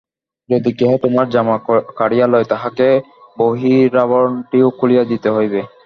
যদি কেহ তোমার জামা কাড়িয়া লয়, তাহাকে বহিরাবরণটিও খুলিয়া দিতে হইবে।